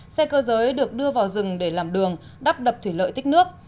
xe cơ giới được đưa vào rừng để làm đường đắp đập thủy lợi tích nước